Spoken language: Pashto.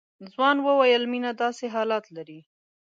ځوان وويل مينه داسې حالات لري.